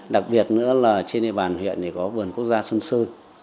đặc biệt nữa là trên địa bàn huyện thì có vườn quốc gia xuân sơn